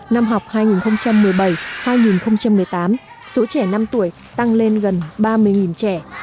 năm học hai nghìn một mươi bảy hai nghìn một mươi tám số trẻ năm tuổi tăng lên gần ba mươi trẻ